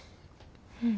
うん。